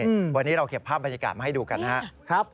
วันนี้เราเก็บภาพบรรยากาศมาให้ดูกันนะครับ